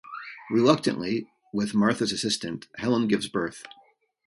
Reluctantly, with Martha's assistance, Helen gives birth.